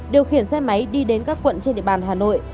điều khiển xe máy đi đến các quận trên địa bàn hà nội